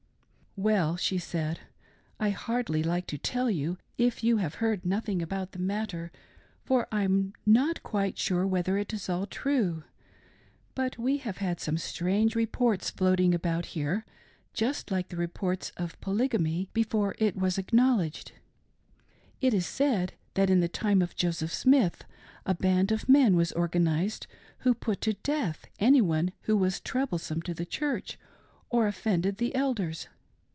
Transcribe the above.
" Well," she said, " I hardly like to tell you, if you have heard nothing about the matter, for I'm not quite sure whether it all is true ; but we have had some strange reports floating about here, just like the reports of Polygamy, before it was acknowledged. It is said that in the time of Joseph Smith a band of men was organised who put to death any one who was troublesome to the Church or offended the Elders.